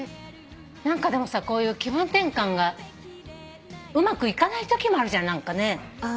何かでもさこういう気分転換がうまくいかないときもあるじゃん。